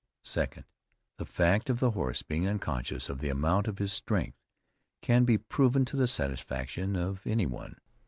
Second. The fact of the horse being unconscious of the amount of his strength, can be proven to the satisfaction of any one.